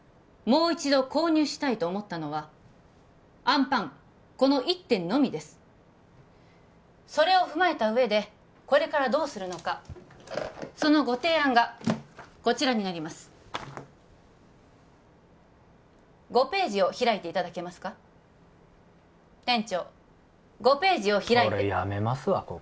もう一度購入したいと思ったのはあんぱんこの一点のみですそれを踏まえた上でこれからどうするのかそのご提案がこちらになります５ページを開いていただけますか店長５ページを俺やめますわ